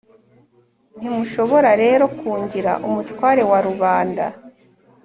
ntimushobora rero kungira umutware wa rubanda!»